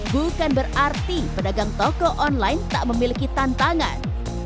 bukan berarti pedagang toko online tak memiliki tantangan